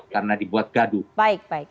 karena dibuat gaduh